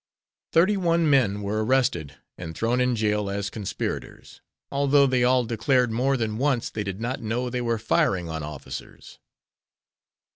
Thirty one men were arrested and thrown in jail as "conspirators," although they all declared more than once they did not know they were firing on officers.